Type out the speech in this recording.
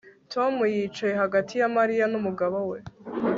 Tom yicaye hagati ya Mariya numugabo we